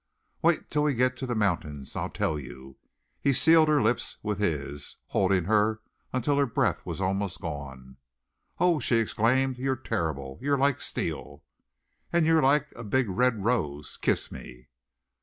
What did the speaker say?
"Wait till we get to the mountains. I'll tell you." He sealed her lips with his, holding her until her breath was almost gone. "Oh," she exclaimed; "you're terrible. You're like steel." "And you're like a big red rose. Kiss me!"